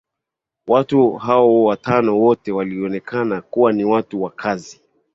Watu hao watano wote walionekana kuwa ni watu wa kazi